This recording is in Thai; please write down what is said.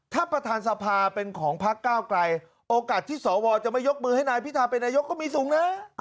ถ้าประธานสภาเป็นของพักก้าวไกลโอกาสที่สวจะไม่ยกมือให้นายพิธาเป็นนายกก็มีสูงนะ